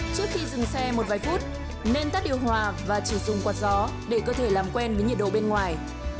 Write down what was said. trước khi dừng xe một vài phút nên tắt điều hòa và chỉ dùng quạt gió để cơ thể làm quen với nhiệt độ bên ngoài